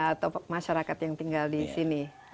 atau masyarakat yang tinggal di sini